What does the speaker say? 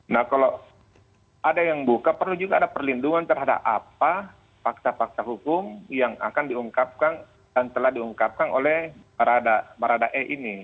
nah kalau ada yang buka perlu juga ada perlindungan terhadap apa fakta fakta hukum yang akan diungkapkan dan telah diungkapkan oleh barada e ini